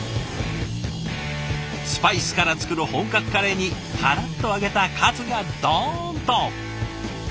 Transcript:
スパイスから作る本格カレーにカラッと揚げたカツがどんと。